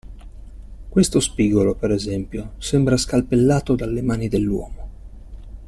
Questo spigolo, per esempio, sembra scalpellato dalle mani dell'uomo!